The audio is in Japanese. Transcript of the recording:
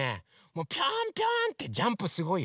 もうピョンピョンってジャンプすごいよ。